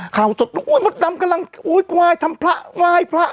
ข่าวสดอู้ยบอตน้ำกำลังอู้ยกวายทำพรรคว่ายพระ